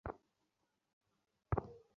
জেনে-বুঝে সিদ্ধান্ত নিয়েছিলাম কি-না জানি না।